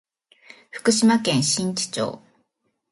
福島県新地町